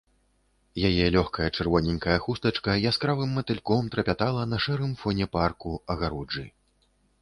Яе лёгкая чырвоненькая хустачка яскравым матыльком трапятала на шэрым фоне парку, агароджы.